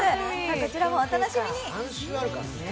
こちらもお楽しみに。